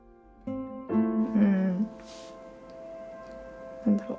ん何だろう